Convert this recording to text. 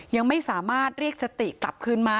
ยังไม่สามารถเรียกสติกลับคืนมา